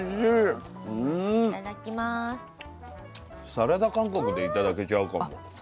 サラダ感覚で頂けちゃうかも。